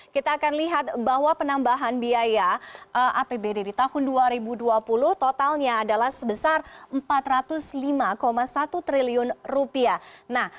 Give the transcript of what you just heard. kita akan lihat bahwa penambahan biaya apbd di tahun dua ribu dua puluh totalnya adalah sebesar empat ratus lima satu triliun rupiah